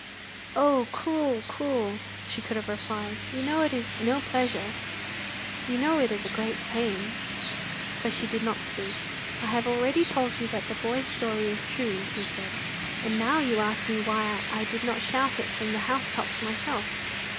"Oh, cruel, cruel!" she could have replied; "you know it is no pleasure; you know it is a great pain." But she did not speak. "I have already told you that the boy's story is true," he said, "and now you ask me why I did not shout it from the housetops myself.